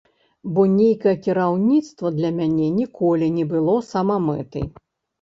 Бо нейкае кіраўніцтва для мяне ніколі не было самамэтай.